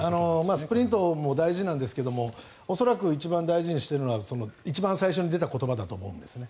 スプリントも大事なんですが恐らく一番大事にしているのは一番最初に出た言葉だと思うんですね。